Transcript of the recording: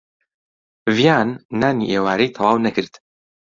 ڤیان نانی ئێوارەی تەواو نەکرد.